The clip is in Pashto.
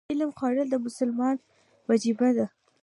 علم خورل د مسلمان وجیبه ده.